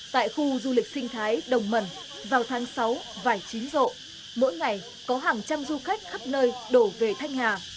tại khu du lịch sinh thái đồng mẩn vào tháng sáu vài chín rộ mỗi ngày có hàng trăm du khách khắp nơi đổ về thanh hà